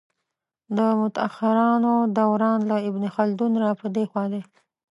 د متاخرانو دوران له ابن خلدون را په دې خوا دی.